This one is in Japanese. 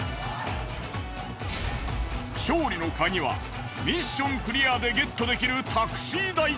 勝利のカギはミッションクリアでゲットできるタクシー代。